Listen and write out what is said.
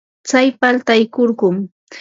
Tsay paltay kurkum.